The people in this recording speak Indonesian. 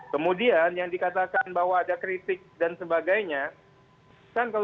kemudian yang dikatakan bahwa ada kritik dan sebagainya